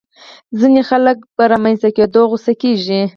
ځينې خلک يې په رامنځته کېدو غوسه کېږي.